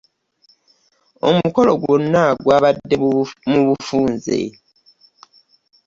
Omukolo gwonna gwabadde mu bufunze.